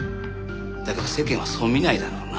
だけど世間はそう見ないだろうな。